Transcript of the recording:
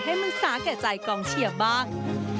ให้มันสาแก่ใจกองเชียร์บ้าง